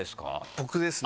僕ですね。